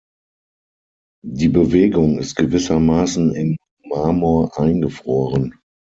Die Bewegung ist gewissermaßen im Marmor eingefroren.